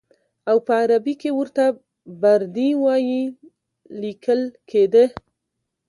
او په عربي کې ورته بردي وایي لیکل کېده.